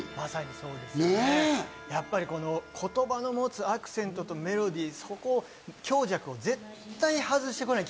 やっぱり言葉の持つアクセントとメロディー、強弱を絶対外して来ない。